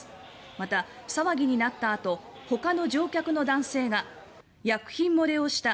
また、騒ぎになった後他の乗客の男性が「薬品漏れをした。